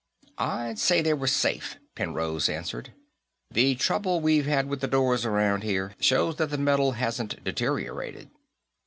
"I'd say they were safe," Penrose answered. "The trouble we've had with doors around here shows that the metal hasn't deteriorated."